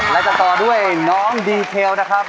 และจะต่อด้วยน้องดีเทลนะครับ